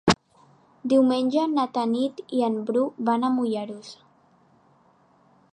Diumenge na Tanit i en Bru van a Mollerussa.